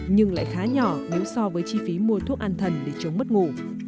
nhưng lại khá nhỏ nếu so với chi phí mua thuốc an thần để chống mất ngủ